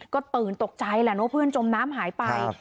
ก็ตื่นตกใจแหละว่าเพื่อนจมน้ำหายไป